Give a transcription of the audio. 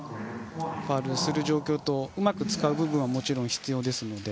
ファウルをする状況とうまく使い部分はもちろん、必要ですので。